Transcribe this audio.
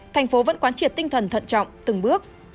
thành phố vẫn quán triệt tinh thần thận trọng từng bước